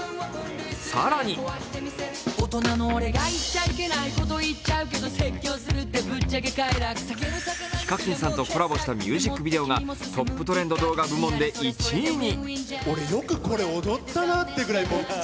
更にＨＩＫＡＫＩＮさんとコラボしたミュージックビデオがトップトレンド動画部門で１位に。